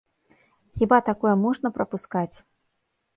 Хіба такое можна прапускаць?